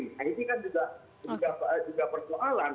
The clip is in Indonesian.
nah ini kan juga persoalan